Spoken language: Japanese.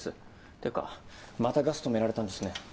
てかまたガス止められたんですね。